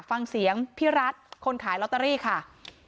ฟังเสียงพี่รัฐคนขายลอตเตอรี่ค่ะ